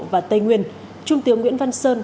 và tây nguyên trung tiên nguyễn văn sơn